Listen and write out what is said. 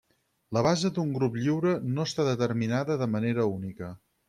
La base d'un grup lliure no està determinada de manera única.